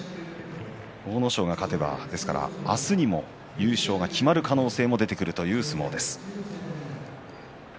阿武咲は勝てば明日にも優勝が決まる可能性も出てくるという相撲です。